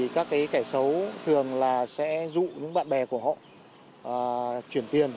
các cái kẻ xấu thường là sẽ dụ những bạn bè của họ chuyển tiền